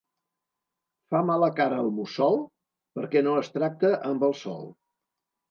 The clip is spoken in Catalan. Fa mala cara el mussol, perquè no es tracta amb el sol.